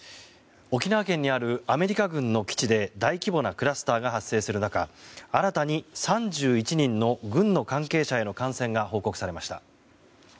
沖縄県にあるアメリカ軍の基地で大規模なクラスターが発生する中新たに３１人の軍の関係者への感染が報告されました。